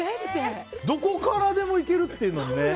どこからでもいけるっていうのにね。